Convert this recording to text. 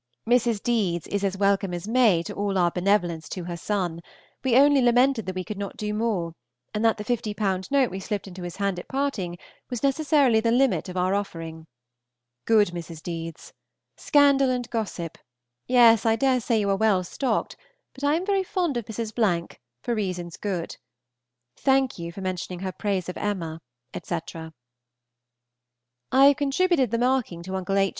Mrs. Deedes is as welcome as May to all our benevolence to her son; we only lamented that we could not do more, and that the 50_l._ note we slipped into his hand at parting was necessarily the limit of our offering. Good Mrs. Deedes! Scandal and gossip; yes, I dare say you are well stocked, but I am very fond of Mrs. for reasons good. Thank you for mentioning her praise of "Emma," etc. I have contributed the marking to Uncle H.'